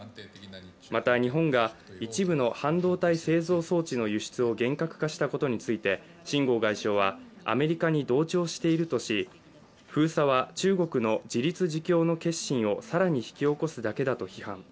また日本が一部の半導体製造装置の輸出を厳格化したことについて秦剛外相はアメリカに同調しているとし封鎖は中国の自立自強の決心を更に引き起こすだけだと批判。